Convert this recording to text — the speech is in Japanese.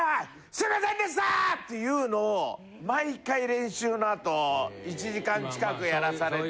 「すいませんでした！！」っていうのを毎回練習のあと１時間近くやらされて。